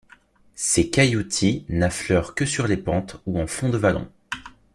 Ces cailloutis n'affleurent que sur les pentes ou en fond de vallons.